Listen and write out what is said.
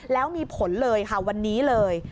แล้วมีผลเลยค่ะวันนี้เลย